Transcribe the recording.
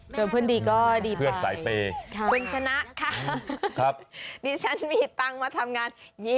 จนเพื่อนดีก็ดีไปค่ะคุณชนะค่ะนี่ฉันมีตังมาทำงาน๒๐